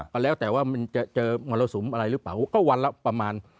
ก็แล้วแต่ว่ามันจะเจอมรสุมอะไรหรือเปล่าก็วันละประมาณ